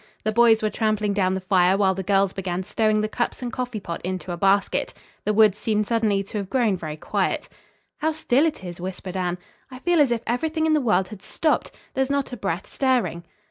The boys were trampling down the fire while the girls began stowing the cups and coffee pot into a basket. The woods seemed suddenly to have grown very quiet. "How still it is," whispered Anne. "I feel as if everything in the world had stopped. There is not a breath stirring."